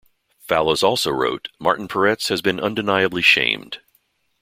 Fallows also wrote: Martin Peretz has been undeniably shamed.